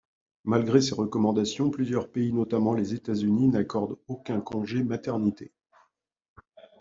Malgré ces recommandations, plusieurs pays notamment les États-Unis n'accordent aucun congé maternité.